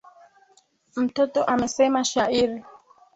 Mtoto amesema shairi